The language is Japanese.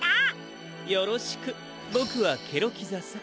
よろしくボクはケロキザさ。